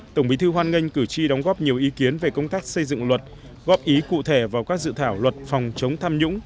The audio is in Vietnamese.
tổng bí thư hoan nghênh cử tri đóng góp nhiều ý kiến về công tác xây dựng luật góp ý cụ thể vào các dự thảo luật phòng chống tham nhũng